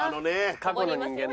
過去の人間だ。